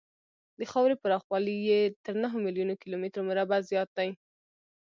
د خاورې پراخوالی یې تر نهو میلیونو کیلومترو مربعو زیات دی.